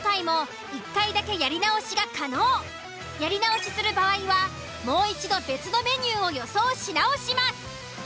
今回もやり直しする場合はもう一度別のメニューを予想し直します。